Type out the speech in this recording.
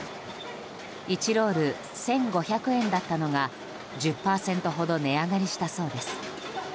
１ロール１５００円だったのが１０％ほど値上がりしたそうです。